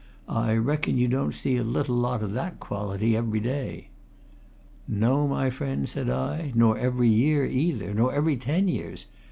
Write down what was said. "I reckon you don't see a little lot o' that quality every day." "No, my friend," said I, "nor every year, either, nor every ten years.